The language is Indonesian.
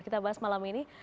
kita bahas maklumnya